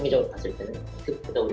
menarik dari thailand